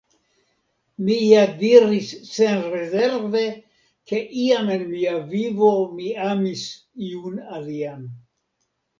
Mi ja diris senrezerve, ke iam en mia vivo mi amis iun alian.